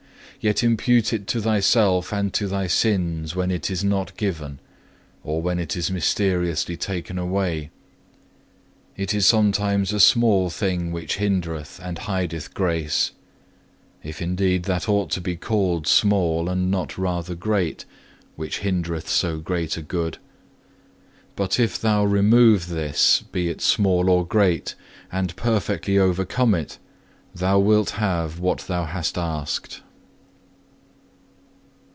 Yet impute it to thyself and to thy sins when it is not given, or when it is mysteriously taken away. It is sometimes a small thing which hindereth and hideth grace; (if indeed that ought to be called small and not rather great, which hindereth so great a good); but if thou remove this, be it small or great, and perfectly overcome it, thou wilt have what thou hast asked.